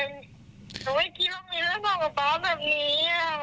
ตั้งแต่บาสเกิดแรกแรกเลยหนูไม่คิดว่ามิ้นจะบอกกับบาสแบบนี้อ่ะ